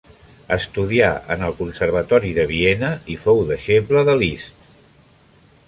Estudià en el Conservatori de Viena i fou deixebla de Liszt.